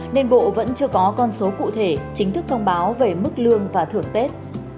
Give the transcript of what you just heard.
nên bộ vẫn chưa có con số cụ thể chính thức thông báo về mức lương và thưởng tết